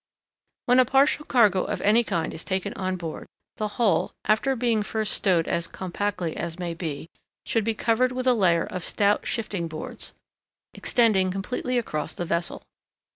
When a partial cargo of any kind is taken on board, the whole, after being first stowed as compactly as may be, should be covered with a layer of stout shifting boards, extending completely across the vessel.